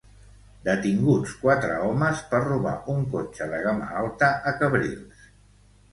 Detinguts quatre homes per robar un cotxe de gamma alta a Cabrils.